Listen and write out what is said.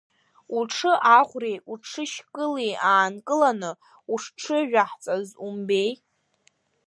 Уҽы аӷәреи уҽышькыли аанкыланы ушҽыжәаҳҵаз умбеи!